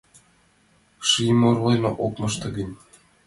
Шийым оролен ок мошто гын